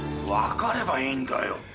「分かればいいんだよ。